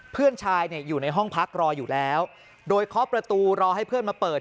เพื่อนชายเนี่ยอยู่ในห้องพักรออยู่แล้วโดยเคาะประตูรอให้เพื่อนมาเปิด